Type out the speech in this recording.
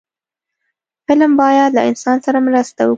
فلم باید له انسان سره مرسته وکړي